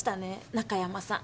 中山さん。